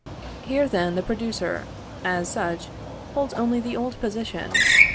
Here then the producer, as such, holds only the old position.